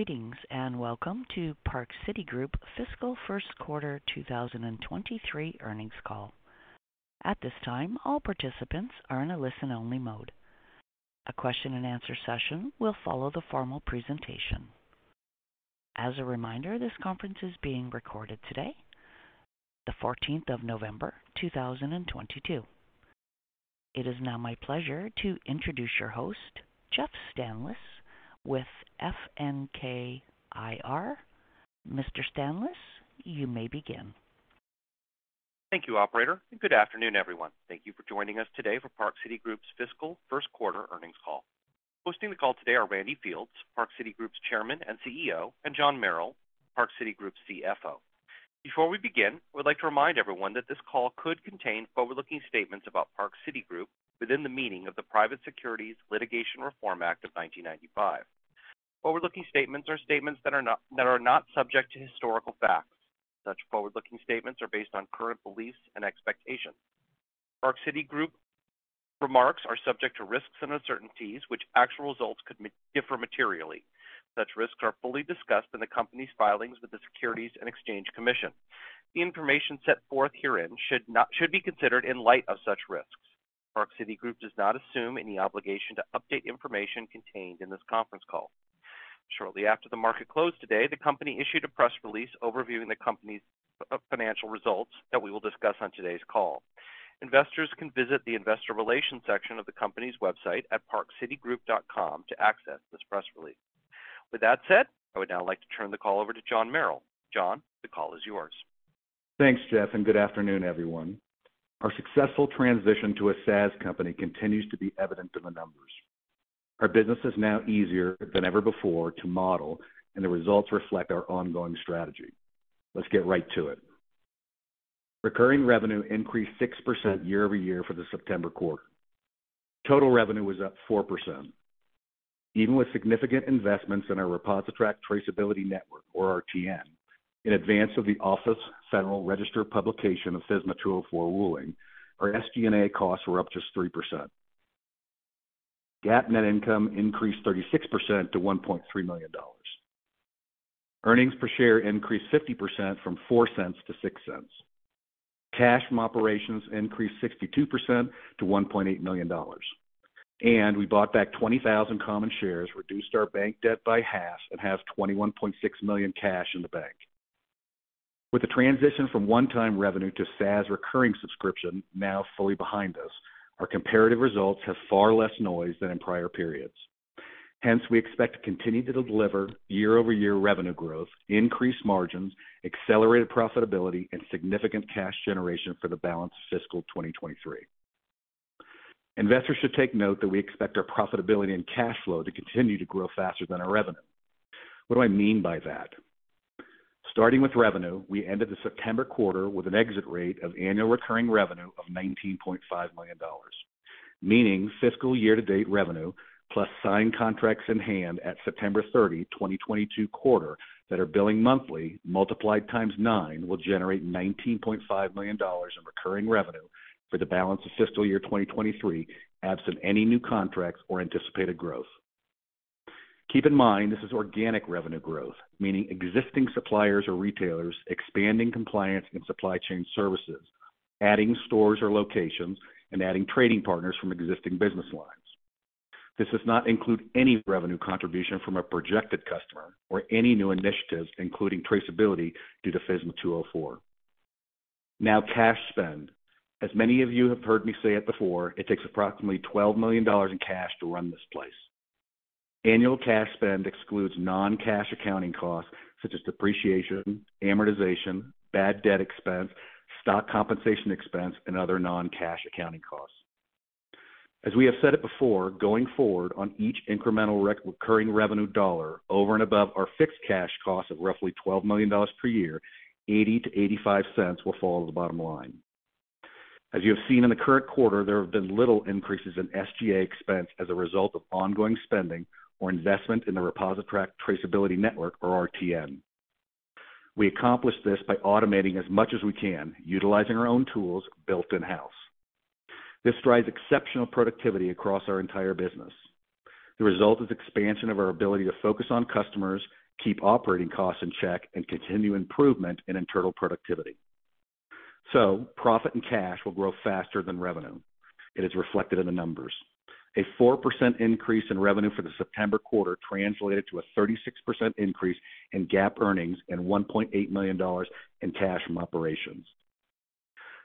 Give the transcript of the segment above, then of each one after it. Greetings, welcome to Park City Group Fiscal First Quarter 2023 Earnings Call. At this time, all participants are in a listen-only mode. A question and answer session will follow the formal presentation. As a reminder, this conference is being recorded today, the fourteenth of November, 2022. It is now my pleasure to introduce your host, Jeff Stanlis, with FNK IR. Mr. Stanlis, you may begin. Thank you, operator, and good afternoon, everyone. Thank you for joining us today for Park City Group's Fiscal First Quarter Earnings Call. Hosting the call today are Randy Fields, Park City Group's chairman and CEO, and John Merrill, Park City Group's CFO. Before we begin, we'd like to remind everyone that this call could contain forward-looking statements about Park City Group within the meaning of the Private Securities Litigation Reform Act of 1995. Forward-looking statements are statements that are not subject to historical facts. Such forward-looking statements are based on current beliefs and expectations. Park City Group remarks are subject to risks and uncertainties which actual results could differ materially. Such risks are fully discussed in the company's filings with the Securities and Exchange Commission. The information set forth herein should be considered in light of such risks. Park City Group does not assume any obligation to update information contained in this conference call. Shortly after the market closed today, the company issued a press release overviewing the company's financial results that we will discuss on today's call. Investors can visit the investor relations section of the company's website at parkcitygroup.com to access this press release. With that said, I would now like to turn the call over to John Merrill. John, the call is yours. Thanks, Jeff, and good afternoon, everyone. Our successful transition to a SaaS company continues to be evident in the numbers. Our business is now easier than ever before to model, and the results reflect our ongoing strategy. Let's get right to it. Recurring revenue increased 6% year-over-year for the September quarter. Total revenue was up 4%. Even with significant investments in our ReposiTrak Traceability Network, or RTN, in advance of the Office of the Federal Register publication of FSMA 204 ruling, our SG&A costs were up just 3%. GAAP Net Income increased 36% to $1.3 million. Earnings per share increased 50% from $0.04 to $0.06. Cash from operations increased 62% to $1.8 million. We bought back 20,000 common shares, reduced our bank debt by half, and have $21.6 million cash in the bank. With the transition from one-time revenue to SaaS recurring subscription now fully behind us, our comparative results have far less noise than in prior periods. Hence, we expect to continue to deliver year-over-year revenue growth, increased margins, accelerated profitability, and significant cash generation for the balance of fiscal 2023. Investors should take note that we expect our profitability and cash flow to continue to grow faster than our revenue. What do I mean by that? Starting with revenue, we ended the September quarter with an exit rate of annual recurring revenue of $19.5 million, meaning fiscal year to date revenue plus signed contracts in hand at September 30, 2022 quarter that are billing monthly multiplied times nine will generate $19.5 million in recurring revenue for the balance of fiscal year 2023, absent any new contracts or anticipated growth. Keep in mind, this is organic revenue growth, meaning existing suppliers or retailers expanding compliance and supply chain services, adding stores or locations, and adding trading partners from existing business lines. This does not include any revenue contribution from a projected customer or any new initiatives, including traceability due to FSMA 204. Now cash spend. As many of you have heard me say it before, it takes approximately $12 million in cash to run this place. Annual cash spend excludes non-cash accounting costs such as depreciation, amortization, bad debt expense, stock compensation expense, and other non-cash accounting costs. As we have said it before, going forward on each incremental recurring revenue dollar over and above our fixed cash cost of roughly $12 million per year, 80-85 cents will fall to the bottom line. As you have seen in the current quarter, there have been little increases in SG&A expense as a result of ongoing spending or investment in the ReposiTrak Traceability Network or RTN. We accomplish this by automating as much as we can, utilizing our own tools built in-house. This drives exceptional productivity across our entire business. The result is expansion of our ability to focus on customers, keep operating costs in check, and continue improvement in internal productivity. Profit and cash will grow faster than revenue. It is reflected in the numbers. A 4% increase in revenue for the September quarter translated to a 36% increase in GAAP earnings and $1.8 million in cash from operations.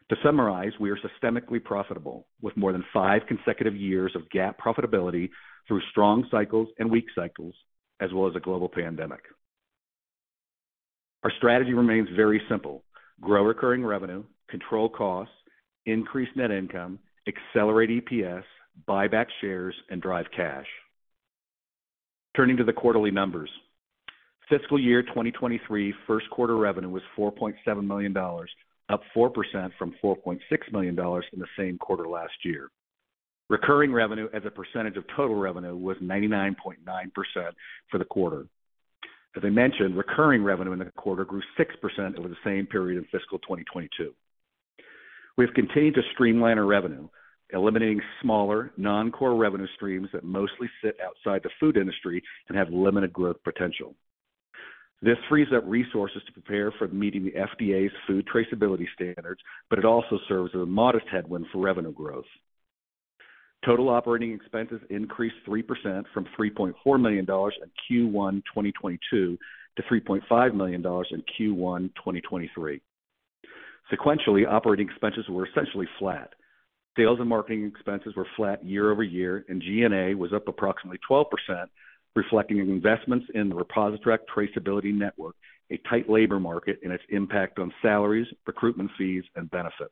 To summarize, we are systematically profitable with more than five consecutive years of GAAP profitability through strong cycles and weak cycles as well as a global pandemic. Our strategy remains very simple. Grow recurring revenue, control costs, increase net income, accelerate EPS, buy back shares, and drive cash. Turning to the quarterly numbers. Fiscal year 2023 first quarter revenue was $4.7 million, up 4% from $4.6 million in the same quarter last year. Recurring revenue as a percentage of total revenue was 99.9% for the quarter. As I mentioned, recurring revenue in the quarter grew 6% over the same period in fiscal 2022. We've continued to streamline our revenue, eliminating smaller non-core revenue streams that mostly sit outside the food industry and have limited growth potential. This frees up resources to prepare for meeting the FDA's food traceability standards, but it also serves as a modest headwind for revenue growth. Total operating expenses increased 3% from $3.4 million in Q1 2022 to $3.5 million in Q1 2023. Sequentially, operating expenses were essentially flat. Sales and marketing expenses were flat year-over-year, and G&A was up approximately 12%, reflecting investments in the ReposiTrak Traceability Network, a tight labor market and its impact on salaries, recruitment fees, and benefits.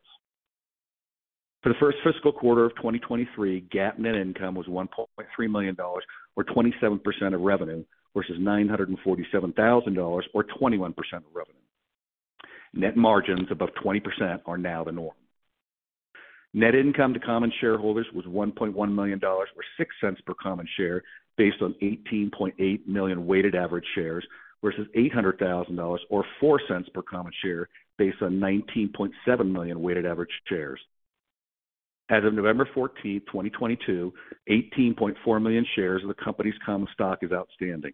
For the first fiscal quarter of 2023, GAAP Net Income was $1.3 million or 27% of revenue, versus $947,000 or 21% of revenue. Net margins above 20% are now the norm. Net income to common shareholders was $1.1 million or $0.06 per common share based on 18.8 million weighted average shares, versus $800,000 or $0.04 per common share based on 19.7 million weighted average shares. As of November 14, 2022, 18.4 million shares of the company's common stock is outstanding.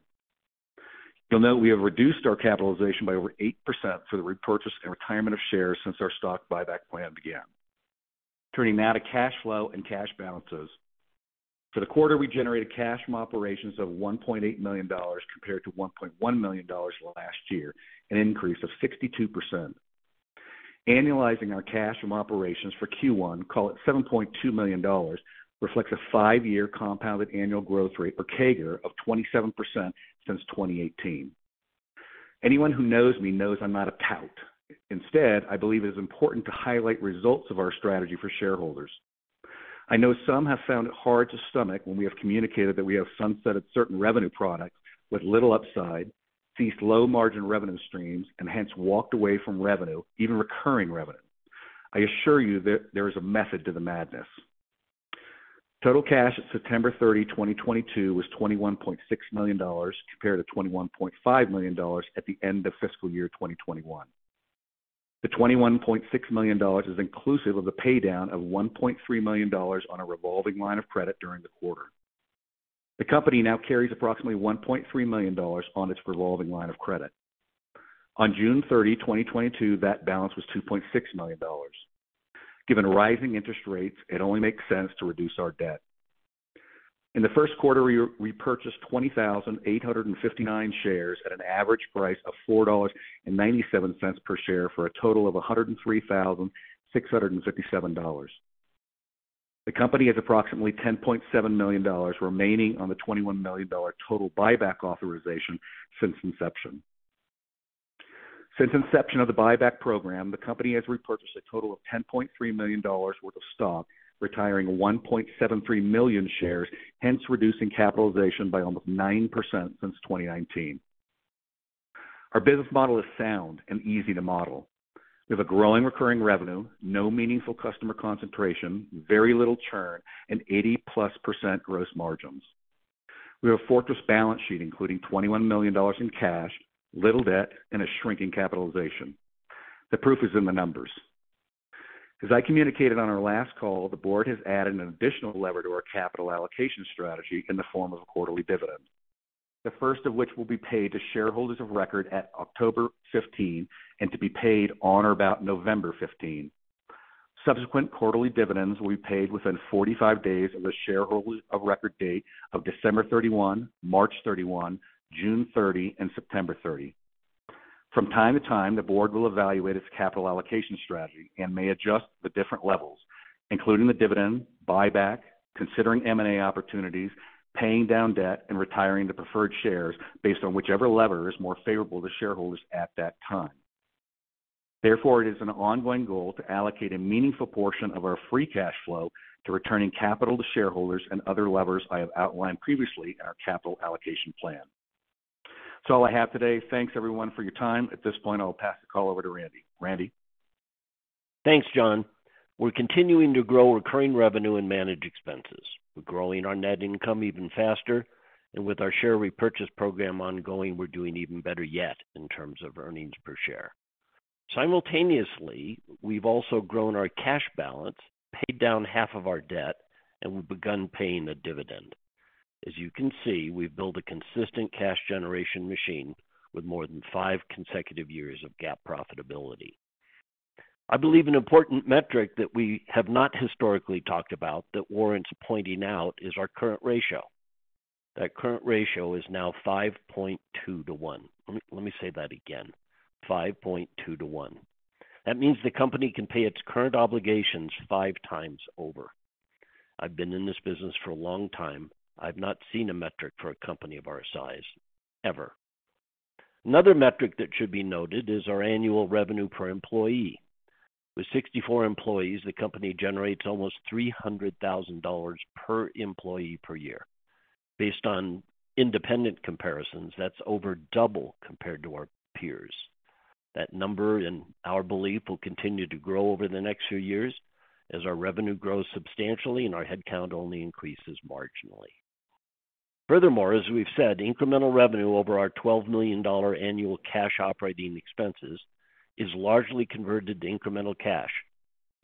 You'll note we have reduced our capitalization by over 8% through the repurchase and retirement of shares since our stock buyback plan began. Turning now to cash flow and cash balances. For the quarter, we generated cash from operations of $1.8 million compared to $1.1 million last year, an increase of 62%. Annualizing our cash from operations for Q1, call it $7.2 million, reflects a five-year compounded annual growth rate, or CAGR, of 27% since 2018. Anyone who knows me knows I'm not a tout. Instead, I believe it is important to highlight results of our strategy for shareholders. I know some have found it hard to stomach when we have communicated that we have sunset at certain revenue products with little upside, ceased low margin revenue streams, and hence walked away from revenue, even recurring revenue. I assure you that there is a method to the madness. Total cash at September 30, 2022 was $21.6 million compared to $21.5 million at the end of fiscal year 2021. The $21.6 million is inclusive of the pay down of $1.3 million on a revolving line of credit during the quarter. The company now carries approximately $1.3 million on its revolving line of credit. On June 30, 2022, that balance was $2.6 million. Given rising interest rates, it only makes sense to reduce our debt. In the first quarter, we repurchased 20,859 shares at an average price of $4.97 per share for a total of $103,657. The company has approximately $10.7 million remaining on the $21 million total buyback authorization since inception. Since inception of the buyback program, the company has repurchased a total of $10.3 million worth of stock, retiring 1.73 million shares, hence reducing capitalization by almost 9% since 2019. Our business model is sound and easy to model. We have a growing recurring revenue, no meaningful customer concentration, very little churn, and 80%+ gross margins. We have a fortress balance sheet, including $21 million in cash, little debt, and a shrinking capitalization. The proof is in the numbers. As I communicated on our last call, the board has added an additional lever to our capital allocation strategy in the form of a quarterly dividend, the first of which will be paid to shareholders of record at October 15 and to be paid on or about November 15. Subsequent quarterly dividends will be paid within 45 days of the shareholders of record date of December 31, March 31, June 30, and September 30. From time to time, the board will evaluate its capital allocation strategy and may adjust the different levels, including the dividend, buyback, considering M&A opportunities, paying down debt, and retiring the preferred shares based on whichever lever is more favorable to shareholders at that time. Therefore, it is an ongoing goal to allocate a meaningful portion of our free cash flow to returning capital to shareholders and other levers I have outlined previously in our capital allocation plan. That's all I have today. Thanks everyone for your time. At this point, I will pass the call over to Randy. Randy? Thanks, John. We're continuing to grow recurring revenue and manage expenses. We're growing our net income even faster, and with our share repurchase program ongoing, we're doing even better yet in terms of earnings per share. Simultaneously, we've also grown our cash balance, paid down half of our debt, and we've begun paying a dividend. As you can see, we've built a consistent cash generation machine with more than five consecutive years of GAAP profitability. I believe an important metric that we have not historically talked about that warrants pointing out is our current ratio. That current ratio is now 5.2 to one. Let me say that again. 5.2 to one. That means the company can pay its current obligations five times over. I've been in this business for a long time. I've not seen a metric for a company of our size, ever. Another metric that should be noted is our annual revenue per employee. With 64 employees, the company generates almost $300,000 per employee per year. Based on independent comparisons, that's over double compared to our peers. That number, in our belief, will continue to grow over the next few years as our revenue grows substantially and our headcount only increases marginally. Furthermore, as we've said, incremental revenue over our $12 million annual cash operating expenses is largely converted to incremental cash,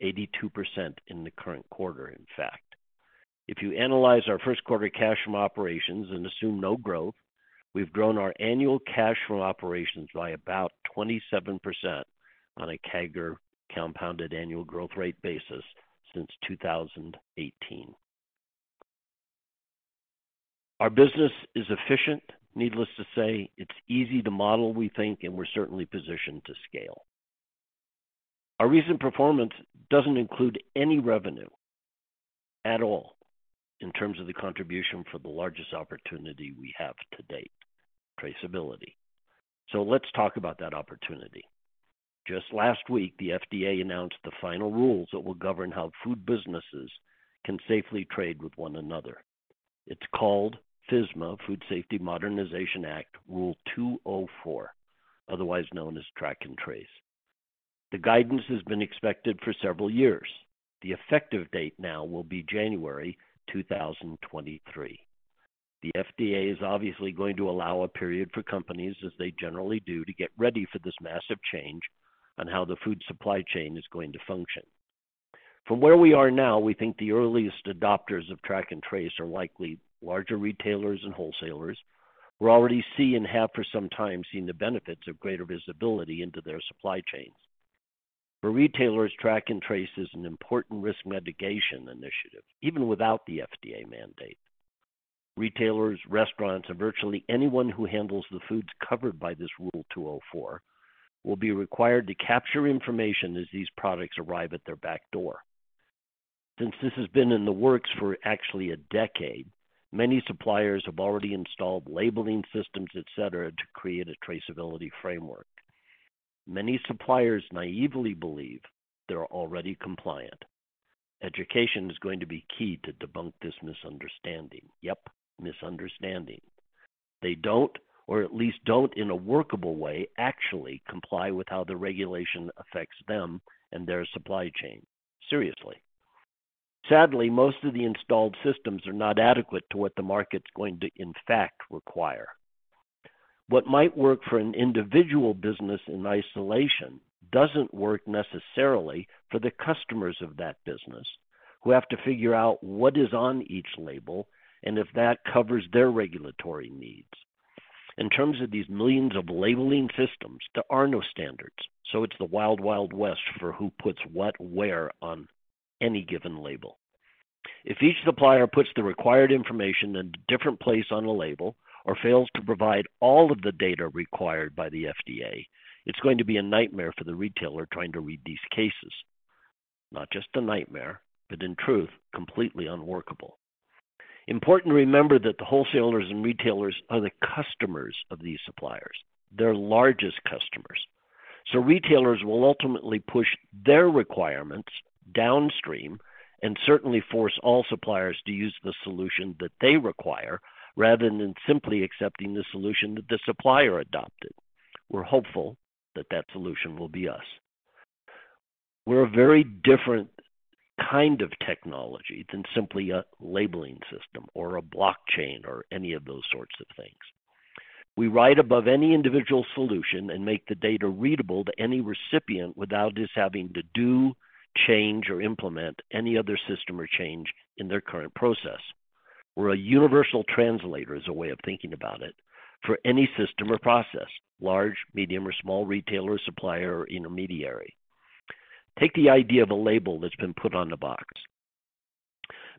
82% in the current quarter, in fact. If you analyze our first quarter cash from operations and assume no growth, we've grown our annual cash from operations by about 27% on a CAGR compounded annual growth rate basis since 2018. Our business is efficient. Needless to say, it's easy to model, we think, and we're certainly positioned to scale. Our recent performance doesn't include any revenue at all in terms of the contribution for the largest opportunity we have to date, traceability. Let's talk about that opportunity. Just last week, the FDA announced the final rules that will govern how food businesses can safely trade with one another. It's called FSMA, Food Safety Modernization Act, Rule 204, otherwise known as Track and Trace. The guidance has been expected for several years. The effective date now will be January 2023. The FDA is obviously going to allow a period for companies, as they generally do, to get ready for this massive change on how the food supply chain is going to function. From where we are now, we think the earliest adopters of Track and Trace are likely larger retailers and wholesalers who already see and have for some time seen the benefits of greater visibility into their supply chains. For retailers, Track and Trace is an important risk mitigation initiative, even without the FDA mandate. Retailers, restaurants, and virtually anyone who handles the foods covered by this Rule 204 will be required to capture information as these products arrive at their back door. Since this has been in the works for actually a decade, many suppliers have already installed labeling systems, et cetera, to create a traceability framework. Many suppliers naively believe they're already compliant. Education is going to be key to debunk this misunderstanding. Yep, misunderstanding. They don't, or at least don't in a workable way, actually comply with how the regulation affects them and their supply chain. Seriously. Sadly, most of the installed systems are not adequate to what the market's going to, in fact, require. What might work for an individual business in isolation doesn't work necessarily for the customers of that business who have to figure out what is on each label and if that covers their regulatory needs. In terms of these millions of labeling systems, there are no standards, so it's the wild west for who puts what where on any given label. If each supplier puts the required information in a different place on a label or fails to provide all of the data required by the FDA, it's going to be a nightmare for the retailer trying to read these cases. Not just a nightmare, but in truth, completely unworkable. Important to remember that the wholesalers and retailers are the customers of these suppliers, their largest customers. Retailers will ultimately push their requirements downstream and certainly force all suppliers to use the solution that they require rather than simply accepting the solution that the supplier adopted. We're hopeful that that solution will be us. We're a very different kind of technology than simply a labeling system or a blockchain or any of those sorts of things. We ride above any individual solution and make the data readable to any recipient without this having to do, change, or implement any other system or change in their current process. We're a universal translator is a way of thinking about it for any system or process, large, medium, or small retailer, supplier, or intermediary. Take the idea of a label that's been put on a box.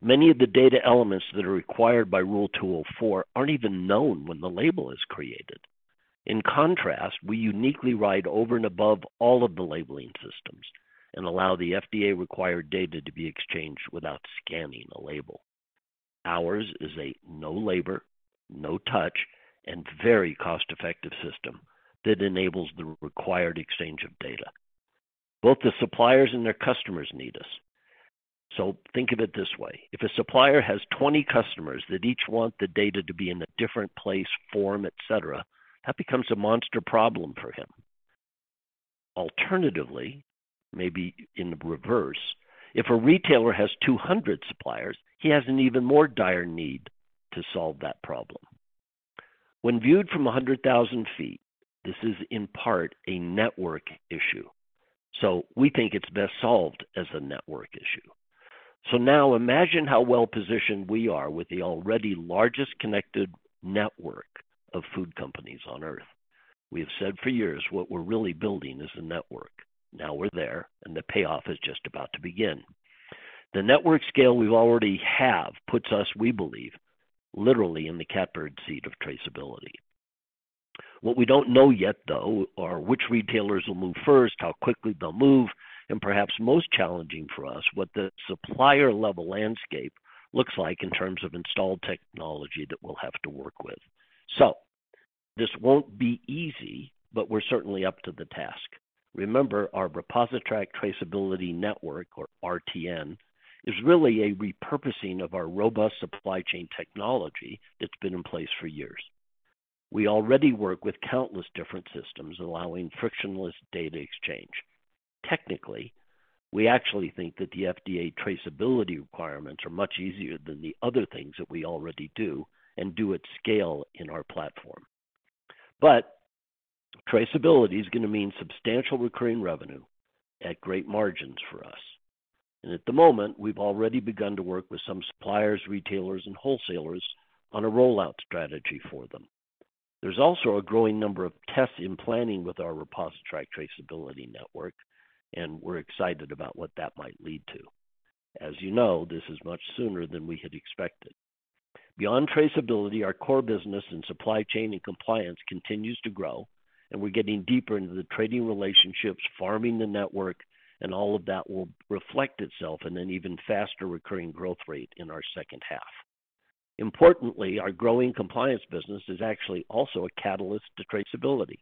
Many of the data elements that are required by Rule 204 aren't even known when the label is created. In contrast, we uniquely ride over and above all of the labeling systems and allow the FDA-required data to be exchanged without scanning a label. Ours is a no labor, no touch, and very cost-effective system that enables the required exchange of data. Both the suppliers and their customers need us. Think of it this way. If a supplier has 20 customers that each want the data to be in a different place, form, et cetera, that becomes a monster problem for him. Alternatively, maybe in the reverse, if a retailer has 200 suppliers, he has an even more dire need to solve that problem. When viewed from 100,000 feet, this is in part a network issue. We think it's best solved as a network issue. Now imagine how well-positioned we are with the already largest connected network of food companies on Earth. We have said for years what we're really building is a network. Now we're there, and the payoff is just about to begin. The network scale we already have puts us, we believe, literally in the catbird seat of traceability. What we don't know yet, though, are which retailers will move first, how quickly they'll move, and perhaps most challenging for us, what the supplier-level landscape looks like in terms of installed technology that we'll have to work with. This won't be easy, but we're certainly up to the task. Remember, our ReposiTrak Traceability Network, or RTN, is really a repurposing of our robust supply chain technology that's been in place for years. We already work with countless different systems allowing frictionless data exchange. Technically, we actually think that the FDA traceability requirements are much easier than the other things that we already do and do at scale in our platform. Traceability is going to mean substantial recurring revenue at great margins for us. At the moment, we've already begun to work with some suppliers, retailers, and wholesalers on a rollout strategy for them. There's also a growing number of tests in planning with our ReposiTrak Traceability Network, and we're excited about what that might lead to. As you know, this is much sooner than we had expected. Beyond traceability, our core business in supply chain and compliance continues to grow, and we're getting deeper into the trading relationships, forming the network, and all of that will reflect itself in an even faster recurring growth rate in our second half. Importantly, our growing compliance business is actually also a catalyst to traceability.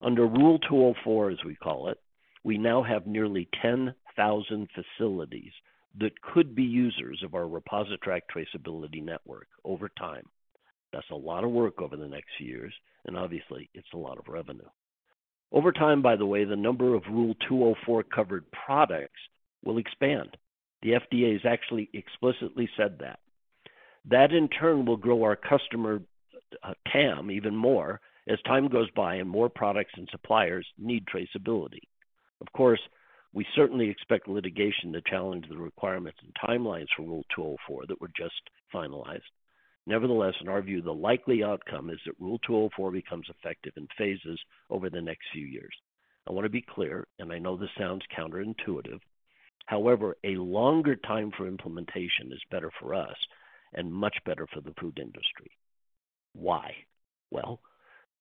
Under Rule 204, as we call it, we now have nearly 10,000 facilities that could be users of our ReposiTrak Traceability Network over time. That's a lot of work over the next few years, and obviously, it's a lot of revenue. Over time, by the way, the number of Rule 204-covered products will expand. The FDA has actually explicitly said that. That, in turn, will grow our customer TAM even more as time goes by and more products and suppliers need traceability. Of course, we certainly expect litigation to challenge the requirements and timelines for Rule 204 that were just finalized. Nevertheless, in our view, the likely outcome is that Rule 204 becomes effective in phases over the next few years. I want to be clear, and I know this sounds counterintuitive. However, a longer time for implementation is better for us and much better for the food industry. Why? Well,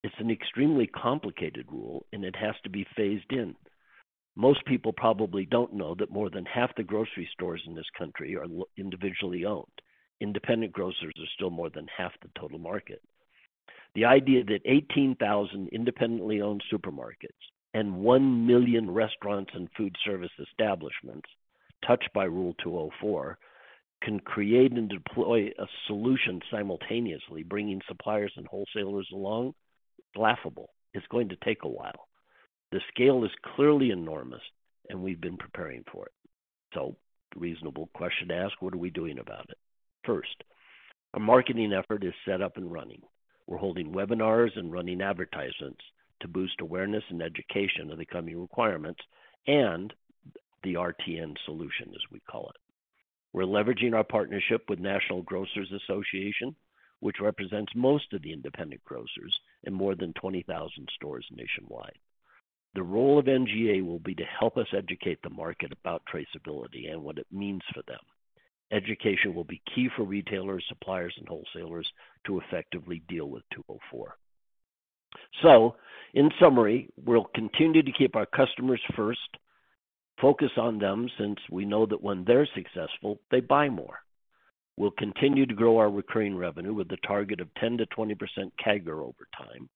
it's an extremely complicated rule, and it has to be phased in. Most people probably don't know that more than half the grocery stores in this country are individually owned. Independent grocers are still more than half the total market. The idea that 18,000 independently owned supermarkets and 1 million restaurants and food service establishments touched by Rule 204 can create and deploy a solution simultaneously, bringing suppliers and wholesalers along, it's laughable. It's going to take a while. The scale is clearly enormous, and we've been preparing for it. Reasonable question to ask, what are we doing about it? First, a marketing effort is set up and running. We're holding webinars and running advertisements to boost awareness and education of the coming requirements and the RTN solution, as we call it. We're leveraging our partnership with National Grocers Association, which represents most of the independent grocers in more than 20,000 stores nationwide. The role of NGA will be to help us educate the market about traceability and what it means for them. Education will be key for retailers, suppliers, and wholesalers to effectively deal with 204. In summary, we'll continue to keep our customers first, focus on them since we know that when they're successful, they buy more. We'll continue to grow our recurring revenue with a target of 10%-20% CAGR over time.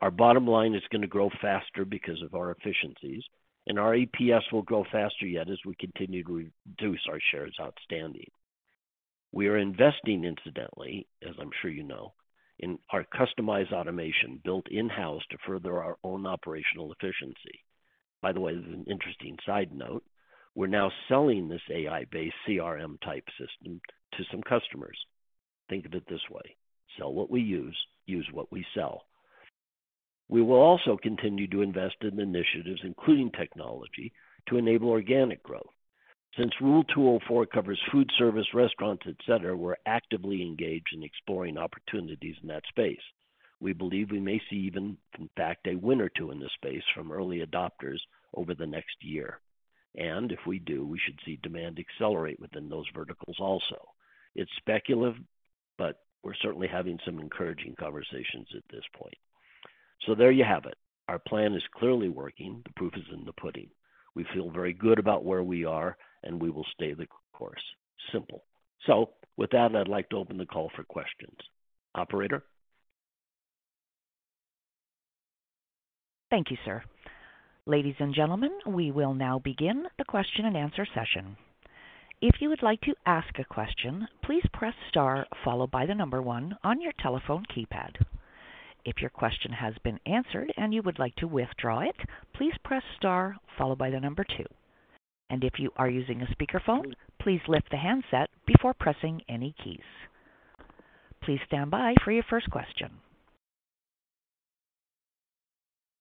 Our bottom line is going to grow faster because of our efficiencies, and our EPS will grow faster yet as we continue to reduce our shares outstanding. We are investing incidentally, as I'm sure you know, in our customized automation built in-house to further our own operational efficiency. By the way, this is an interesting side note. We're now selling this AI-based CRM-type system to some customers. Think of it this way. Sell what we use what we sell. We will also continue to invest in initiatives, including technology, to enable organic growth. Since Rule 204 covers food service, restaurants, et cetera, we're actively engaged in exploring opportunities in that space. We believe we may see even, in fact, a win or two in this space from early adopters over the next year. If we do, we should see demand accelerate within those verticals also. It's speculative, but we're certainly having some encouraging conversations at this point. There you have it. Our plan is clearly working. The proof is in the pudding. We feel very good about where we are, and we will stay the course. Simple. With that, I'd like to open the call for questions. Operator? Thank you, sir. Ladies and gentlemen, we will now begin the question-and-answer session. If you would like to ask a question, please press star followed by the number one on your telephone keypad. If your question has been answered and you would like to withdraw it, please press star followed by the number two. If you are using a speakerphone, please lift the handset before pressing any keys. Please stand by for your first question.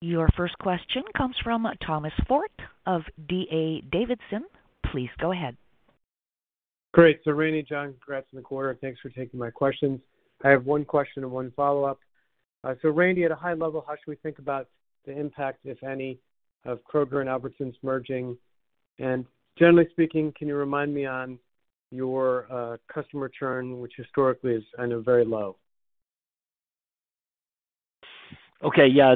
Your first question comes from Thomas Forte of D.A. Davidson. Please go ahead. Great. Randy, John, congrats on the quarter. Thanks for taking my questions. I have one question and one follow-up. Randy, at a high level, how should we think about the impact, if any, of Kroger and Albertsons merging? Generally speaking, can you remind me on your customer churn, which historically is, I know, very low. Okay, yeah.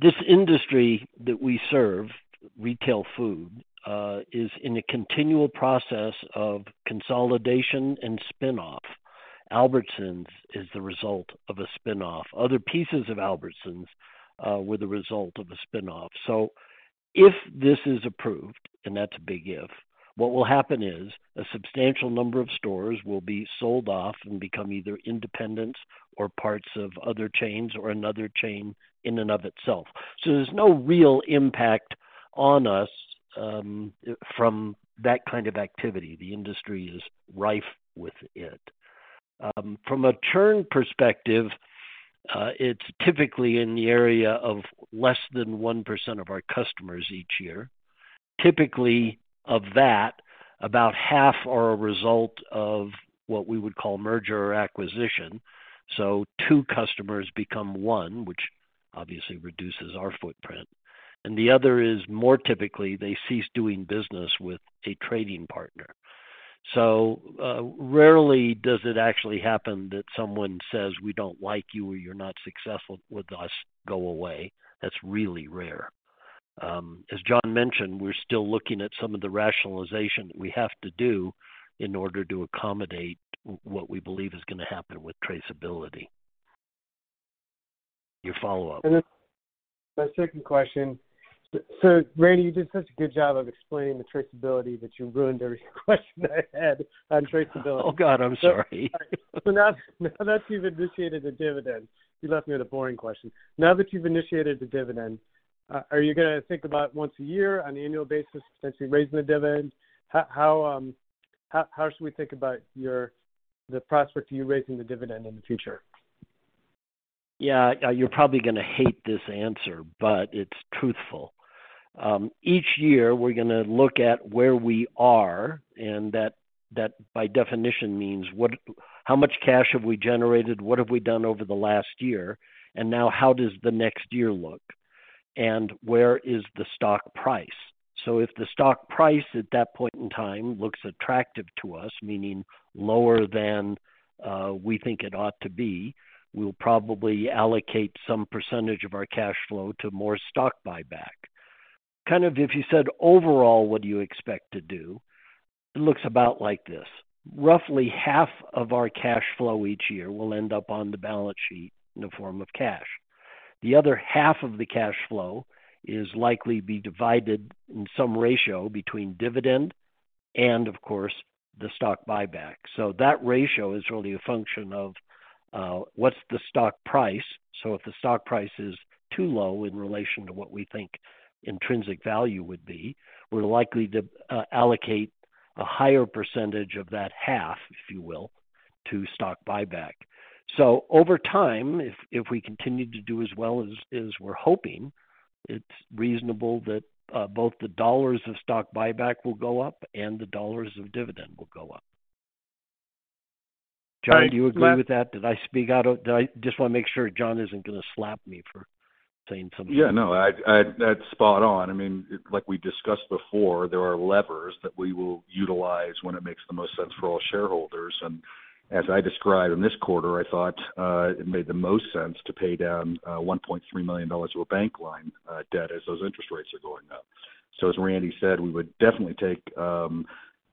This industry that we serve, retail food, is in a continual process of consolidation and spin-off. Albertsons is the result of a spin-off. Other pieces of Albertsons were the result of a spin-off. If this is approved, and that's a big if. What will happen is a substantial number of stores will be sold off and become either independents or parts of other chains or another chain in and of itself. There's no real impact on us from that kind of activity. The industry is rife with it. From a churn perspective, it's typically in the area of less than 1% of our customers each year. Typically, of that, about half are a result of what we would call merger or acquisition. Two customers become one, which obviously reduces our footprint. The other is more typically they cease doing business with a trading partner. Rarely does it actually happen that someone says, "We don't like you," or, "You're not successful with us. Go away." That's really rare. As John mentioned, we're still looking at some of the rationalization that we have to do in order to accommodate what we believe is gonna happen with traceability. Your follow-up. My second question. Randy, you did such a good job of explaining the traceability that you ruined every question that I had on traceability. Oh, God, I'm sorry. Now that you've initiated a dividend, you left me with a boring question. Now that you've initiated the dividend, are you gonna think about once a year on an annual basis, potentially raising the dividend? How should we think about the prospect of you raising the dividend in the future? Yeah, you're probably gonna hate this answer, but it's truthful. Each year, we're gonna look at where we are, and that by definition means what, how much cash have we generated? What have we done over the last year? Now how does the next year look? And where is the stock price? If the stock price at that point in time looks attractive to us, meaning lower than we think it ought to be, we'll probably allocate some percentage of our cash flow to more stock buyback. Kind of if you said overall, what do you expect to do? It looks about like this. Roughly half of our cash flow each year will end up on the balance sheet in the form of cash. The other half of the cash flow is likely to be divided in some ratio between dividend and, of course, the stock buyback. That ratio is really a function of what's the stock price. If the stock price is too low in relation to what we think intrinsic value would be, we're likely to allocate a higher percentage of that half, if you will, to stock buyback. Over time, if we continue to do as well as we're hoping, it's reasonable that both the dollars of stock buyback will go up and the dollars of dividend will go up. All right. John, do you agree with that? Just wanna make sure John isn't gonna slap me for saying something. Yeah, no. That's spot on. I mean, like we discussed before, there are levers that we will utilize when it makes the most sense for all shareholders. As I described in this quarter, I thought it made the most sense to pay down $1.3 million to a bank line debt as those interest rates are going up. As Randy said, we would definitely take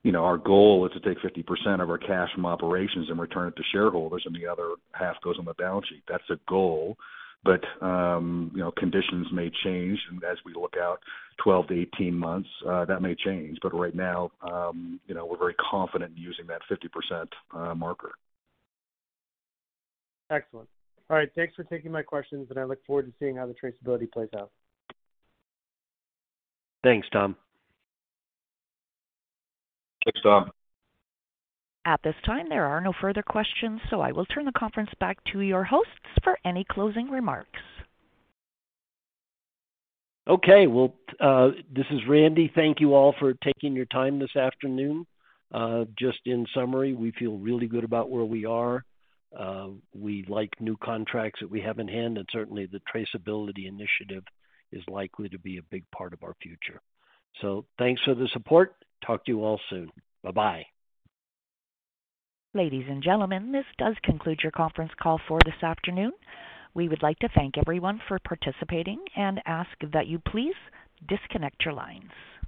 you know our goal is to take 50% of our cash from operations and return it to shareholders, and the other half goes on the balance sheet. That's a goal, but you know conditions may change. As we look out 12-18 months, that may change. Right now you know we're very confident in using that 50% marker. Excellent. All right. Thanks for taking my questions, and I look forward to seeing how the traceability plays out. Thanks, Tom. Thanks, Tom. At this time, there are no further questions, so I will turn the conference back to your hosts for any closing remarks. Okay. Well, this is Randy. Thank you all for taking your time this afternoon. Just in summary, we feel really good about where we are. We like new contracts that we have in hand, and certainly the traceability initiative is likely to be a big part of our future. Thanks for the support. Talk to you all soon. Bye-bye. Ladies and gentlemen, this does conclude your conference call for this afternoon. We would like to thank everyone for participating and ask that you please disconnect your lines.